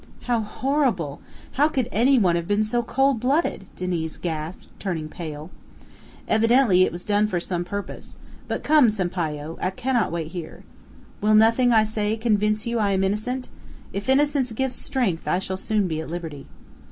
"How horrible! How could any one have been so cold blooded?" Diniz gasped, turning pale. "Evidently it was done for some purpose. But come, Sampayo, I cannot wait here." "Will nothing I say convince you I am innocent? If innocence gives strength, I shall soon be at liberty."